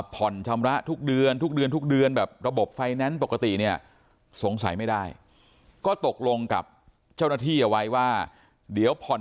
ผ่อนชำระทุกเดือนทุกเดือนทุกเดือนแบบระบบไฟแนนซ์ปกติเนี่ยสงสัยไม่ได้ก็ตกลงกับเจ้าหน้าที่เอาไว้ว่าเดี๋ยวผ่อน